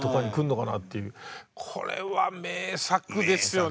これは名作ですよね。